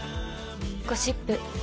「ゴシップ」